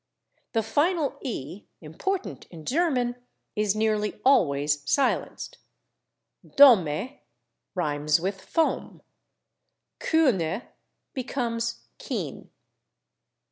The final /e/, important in German, is nearly always silenced; /Dohme/ rhymes with /foam/; /Kühne/ becomes /Keen